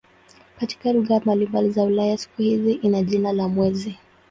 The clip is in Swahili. Katika lugha mbalimbali za Ulaya siku hii ina jina la "mwezi".